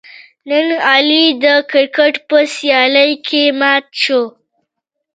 نن علي د کرکیټ په سیالۍ کې مات شو.